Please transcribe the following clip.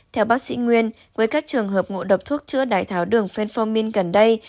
theo bác sĩ nguyên với các trường hợp ngộ độc thuốc chữa đái tháo đường phenformin gần đây